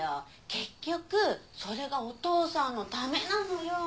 結局それがお父さんのためなのよ。